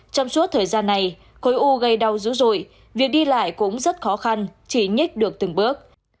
trong suốt thời gian này khối u gây đau dữ dội việc đi lại cũng rất khó khăn chỉ nhích được từng bước